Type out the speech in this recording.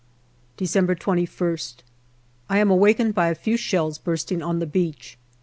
December 2lst. I am awakened by a few shells bursting on the beach.